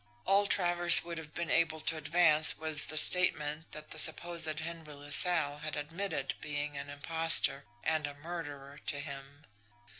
"All Travers would have been able to advance was the statement that the supposed Henry LaSalle had admitted being an impostor and a murderer to him!